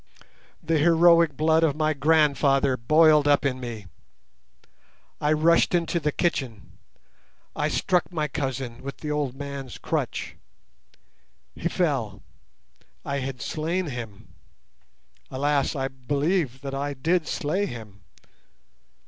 The heroic blood of my grandfather boiled up in me. I rushed into the kitchen. I struck my cousin with the old man's crutch. He fell—I had slain him. Alas, I believe that I did slay him.